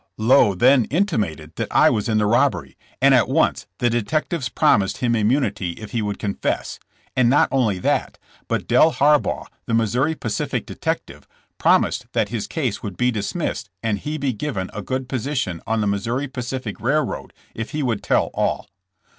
Lowe then intimated that I was in the robbery, and at once the detectives promised him immunity if he would confess, and not only that, but Del Harbaugh, the Missouri Pacific detective, promised that his case would be dismissed and he given a good position on the Missouri Pacific railroad if he would tell all.